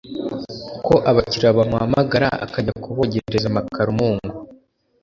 ko abakiriya bamuhamagara akajya kubogereza amakaro mu ngo